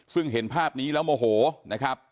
ซึ่งเห็นภาพนี้แล้วโมโหนะครับ